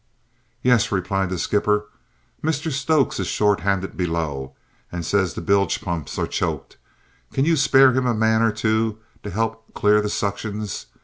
"Yes," replied the skipper. "Mr Stokes is shorthanded below and says the bilge pumps are choked. Can you spare him a man or two to help clear the suctions?